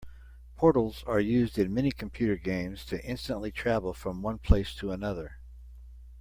Portals are used in many computer games to instantly travel from one place to another.